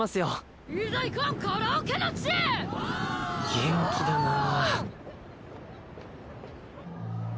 元気だなぁ